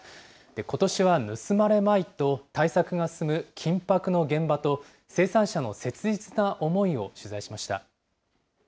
ことしは盗まれまいと対策が進む緊迫の現場と、生産者の切実な思いを取材しました。